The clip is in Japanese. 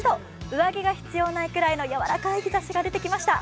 上着が必要ないぐらいのやわらかい日ざしが出てきました。